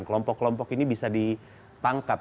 kelompok kelompok ini bisa ditangkap